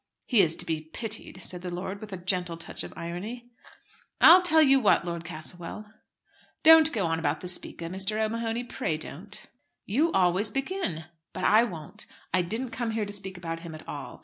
"He is to be pitied," said the lord, with a gentle touch of irony. "I'll tell you what, Lord Castlewell " "Don't go on about the Speaker, Mr. O'Mahony, pray don't." "You always begin, but I won't. I didn't come here to speak about him at all.